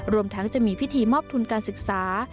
รวมทั้งจะมีพิธีมอบทุนการศึกษา